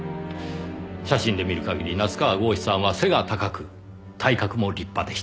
写真で見る限り夏河郷士さんは背が高く体格も立派でした。